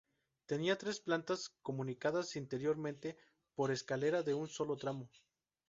Tenía tres plantas comunicadas interiormente por escalera de un solo tramo.